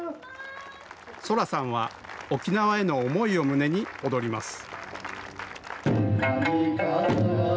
青空さんは沖縄への思いを胸に踊ります。